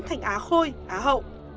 thành á khôi á hậu